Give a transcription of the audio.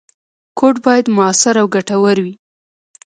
کوډ باید موثر او ګټور وي.